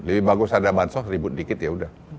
lebih bagus ada bansos ribut dikit ya udah